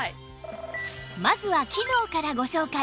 まずは機能からご紹介！